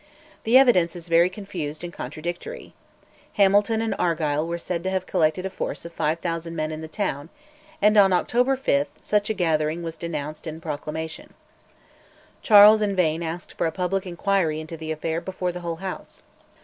The evidence is very confused and contradictory: Hamilton and Argyll were said to have collected a force of 5000 men in the town, and, on October 5, such a gathering was denounced in a proclamation. Charles in vain asked for a public inquiry into the affair before the whole House.